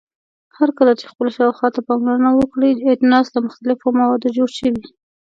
هرکله چې خپل شاوخوا ته پاملرنه وکړئ اجناس له مختلفو موادو جوړ شوي.